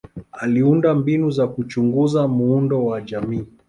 Aliunda mbinu za kuchunguza muundo wa jamii.